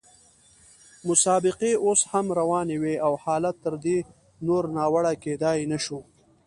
مسابقې اوس هم روانې وې او حالت تر دې نور ناوړه کېدای نه شو.